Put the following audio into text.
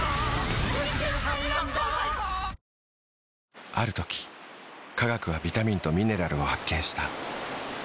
さらにある時科学はビタミンとミネラルを発見した。